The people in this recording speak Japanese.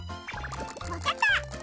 わかった！